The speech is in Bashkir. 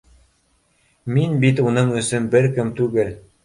— Мин бит уның өсөн бер кем түгел